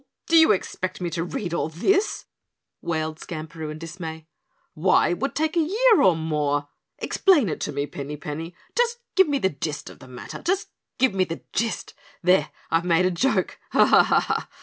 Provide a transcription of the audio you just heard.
Do you expect me to read all this?" wailed Skamperoo in dismay. "Why, it would take a year or more. Explain it to me, Pinny Penny. Just give me the gist of the matter. Just give me the gist there, I've made a joke. Ha! ha!